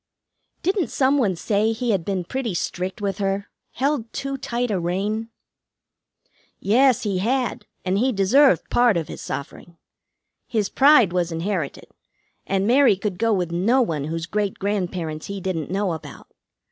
"Didn't some one say he had been pretty strict with her? Held too tight a rein?" "Yes, he had, and he deserved part of his suffering. His pride was inherited, and Mary could go with no one whose great grandparents he didn't know about.